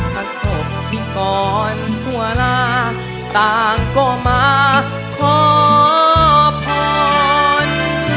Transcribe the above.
ถ้าศพพิกรทั่วล่าต่างก็มาขอพร